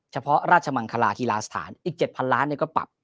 เฉพาะราชมังคลากีฬาสถานอีกเจ็ดพันล้านเนี่ยก็ปรับ